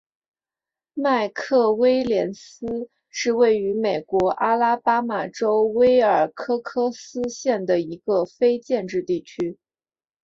麦克威廉斯是位于美国阿拉巴马州威尔科克斯县的一个非建制地区。